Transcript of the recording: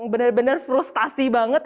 benar benar frustasi banget